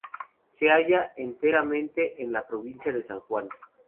Se halla enteramente en la provincia de San Juan.